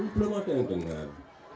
belum ada yang dengar